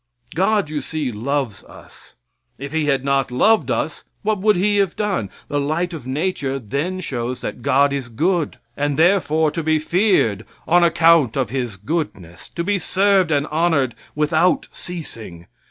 God, you see, loves us. If He had not loved us what would He have done? The light of nature then shows that God is good and therefore to be feared on account of his goodness, to be served and honored without ceasing.